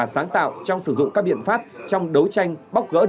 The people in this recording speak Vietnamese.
sau đó đối chiến trụng tốc với số cd